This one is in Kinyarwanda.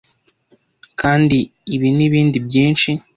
Kandi ibinibindi byinshi? -